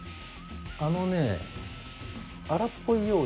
あのね。